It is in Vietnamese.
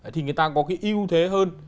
thì người ta có cái ưu thế hơn